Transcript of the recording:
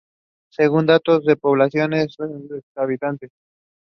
Bartoli was born at Turin.